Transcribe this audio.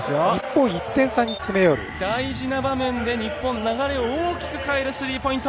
大事な場面で日本、流れを大きく変えるスリーポイント。